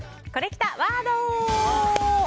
コレきたワード。